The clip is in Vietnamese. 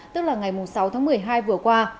tức là ngày sáu tháng một mươi hai vừa qua